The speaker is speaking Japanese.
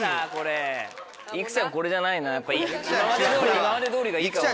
今までどおりがいいかも。